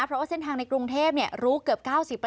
เพราะว่าเส้นทางในกรุงเทพรู้เกือบ๙๐